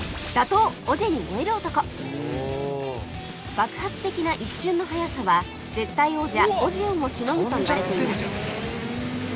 爆発的な一瞬の速さは絶対王者オジェをもしのぐといわれています